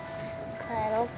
帰ろっか。